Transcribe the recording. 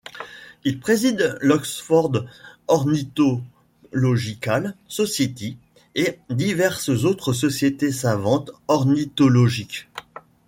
Il préside l’Oxford Ornithological Society et diverses autres sociétés savantes ornithologiques.